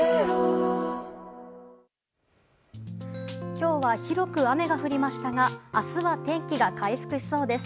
今日は広く雨が降りましたが明日は天気が回復しそうです。